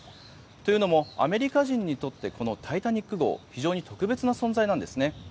というのも、アメリカ人にとってこの「タイタニック号」非常に特別な存在なんですね。